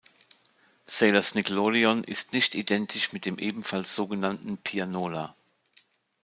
Sailors Nickelodeon ist nicht identisch mit dem ebenfalls so genannten Pianola.